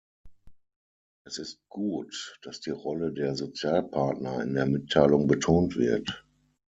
Es ist gut, dass die Rolle der Sozialpartner in der Mitteilung betont wird.